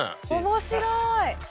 面白い。